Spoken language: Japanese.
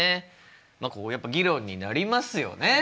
まあやっぱ議論になりますよね。